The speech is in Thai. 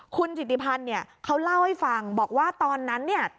คุณจิติพันธ์เนี่ยเขาเล่าให้ฟังบอกว่าตอนนั้นเนี่ย